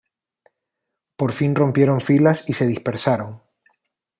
Por fin rompieron filas y se dispersaron.